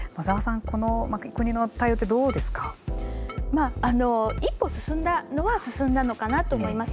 まあ一歩進んだのは進んだのかなと思います。